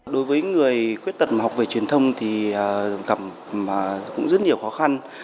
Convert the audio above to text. đối với người khuyết tật học về truyền thông thì gặp rất nhiều khó khăn